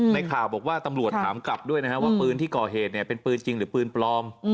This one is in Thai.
ในข่าวบอกว่าตำรวจถามกลับด้วยนะครับว่าปืนที่ก่อเหตุเป็นปืนจริงหรือปืนปลอม